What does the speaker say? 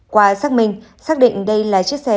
qua xác minh xác định đây là chiếc xe